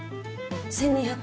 １２００。